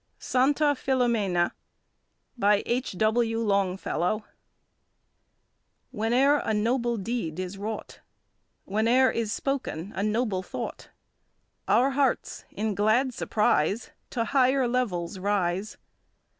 SANTA FILOMENA. BY H. W. LONGFELLOW. WHENE'ER a noble deed is wrought, Whene'er is spoken a noble thought, Our hearts, in glad surprise, To higher levels rise.